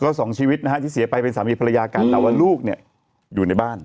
ก็สองชีวิตนะฮะที่เสียไปเป็นสามีภรรยากันแต่ว่าลูกเนี่ยอยู่ในบ้าน